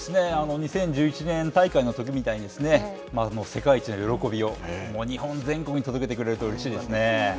２０１１年大会のときみたいにですね、世界一の喜びを日本全国に届けてくれるとうれしいですね。